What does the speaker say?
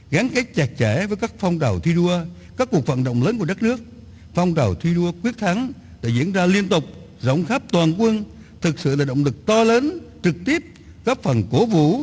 gắn kết chặt chẽ với các phong trào thi đua các cuộc phận động lớn của đất nước phong trào thi đua quyết thắng đã diễn ra liên tục rộng khắp toàn quân thực sự là động lực to lớn trực tiếp góp phần cổ vũ